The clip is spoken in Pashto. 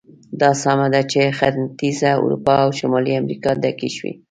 دا سمه ده چې ختیځه اروپا او شمالي امریکا ډکې شوې.